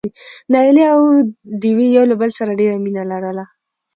نايلې او ډوېوې يو له بل سره ډېره مينه لرله.